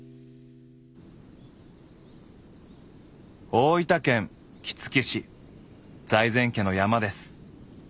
大分県杵築市財前家の山です。